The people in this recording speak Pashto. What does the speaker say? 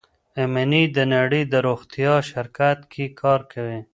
ایمي د نړۍ د روغتیا شرکت کې کار کوي.